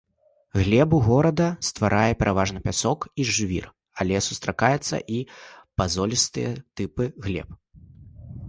Глебу горада, стварае пераважна пясок і жвір, але сустракаюцца і падзолістыя тыпы глеб.